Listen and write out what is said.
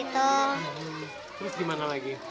terus gimana lagi